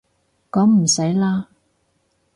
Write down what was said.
噉唔使啦